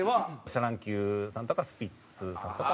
シャ乱Ｑさんとかスピッツさんとか。